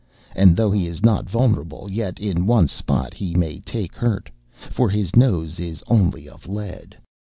And though he is not vulnerable, yet in one spot he may take hurt, for his nose is only of lead.